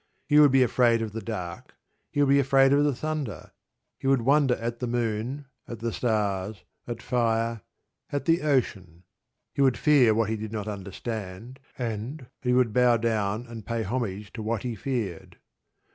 He would be afraid of the dark, he would be afraid of the thunder, he would wonder at the moon, at the stars, at fire, at the ocean. He would fear what he did not understand, and he would bow down and pay homage to what he feared.